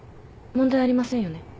問題ありませんよね？